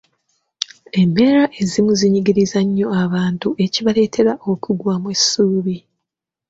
Embeera ezimu zinyigiriza nnyo abantu ekibaleetera okuggwaamu essuubi.